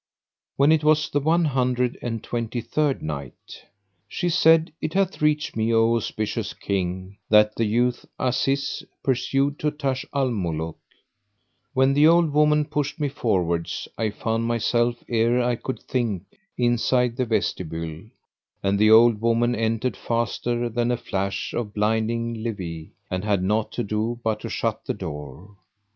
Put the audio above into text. When it was the One Hundred and Twenty third Night, She said, It hath reached me, O auspicious King, that the youth Aziz pursued to Taj al Muluk: "When the old woman pushed me forwards I found myself, ere I could think, inside the vestibule; and the old woman entered faster than a flash of blinding leven and had naught to do but to shut the door.